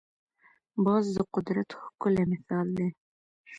باز د قدرت ښکلی مثال دی